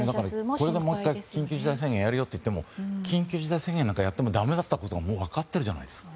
これがもう１回緊急事態宣言やるよってなっても緊急事態宣言をやってもだめだったことが分かってるじゃないですか。